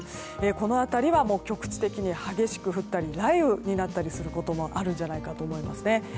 この辺りは局地的に激しく降ったり雷雨になったりすることもあるんじゃないかと思いますね。